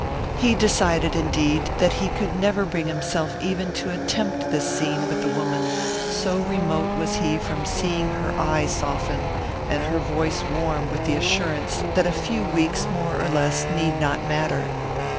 He decided, indeed, that he could never bring himself even to attempt this scene with the woman, so remote was he from seeing her eye soften and her voice warm with the assurance that a few weeks more or less need not matter.